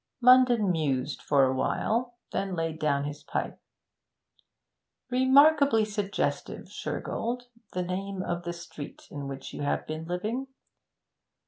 Munden mused for a while, then laid down his pipe. 'Remarkably suggestive, Shergold, the name of the street in which you have been living.